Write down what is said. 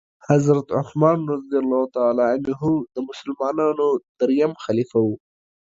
حضرت عثمان رضي الله تعالی عنه د مسلمانانو دريم خليفه وو.